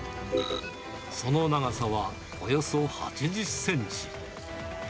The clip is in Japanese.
その長さはおよそ８０センチ。